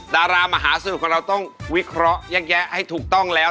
ดารามหาสนุกของเราต้องวิเคราะห์แยกแยะให้ถูกต้องแล้ว